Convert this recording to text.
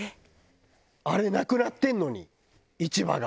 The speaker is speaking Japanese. あれなくなってんのに市場が。